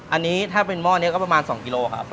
อันนี้ถ้าเป็นหม้อนี้ก็ประมาณ๒กิโลครับ